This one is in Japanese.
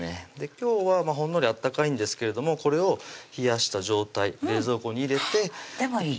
今日はほんのり温かいんですけれどもこれを冷やした状態冷蔵庫に入れてでもいい